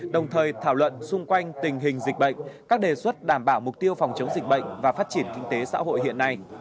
đồng thời thảo luận xung quanh tình hình dịch bệnh các đề xuất đảm bảo mục tiêu phòng chống dịch bệnh và phát triển kinh tế xã hội hiện nay